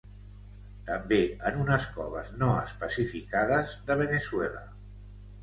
També en unes coves no especificades de Veneçuela.